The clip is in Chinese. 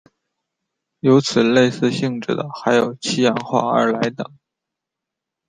有此类似性质的还有七氧化二铼等。